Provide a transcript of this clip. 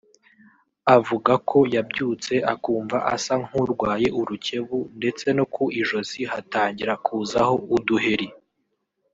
Avuga ko yabyutse akumva asa nk’ uwarwaye urukebu ndetse no ku ijosi hatangira kuzaho uduheri